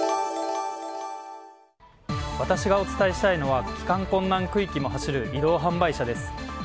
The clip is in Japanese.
私がお伝えしたいのは帰還困難区域も走る移動販売車です。